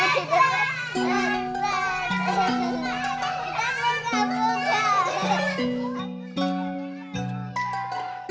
paham pak rw